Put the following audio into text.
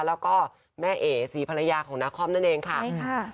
แล้วก็แม่เอกสีภรรยาของนักคล่อมนั่นเองค่ะใช่ค่ะ